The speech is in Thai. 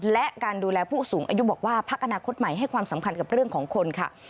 และการดูแลผู้สูงอายุบอกว่าพักอนาคตใหม่ให้ความสำคัญกับเรื่องของคนค่ะ